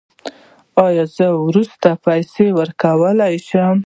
ایا زه وروسته پیسې ورکولی شم؟